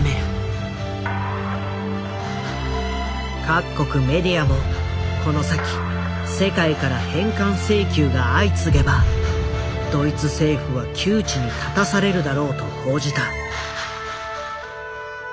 各国メディアもこの先世界から返還請求が相次げばドイツ政府は窮地に立たされるだろうと報じた。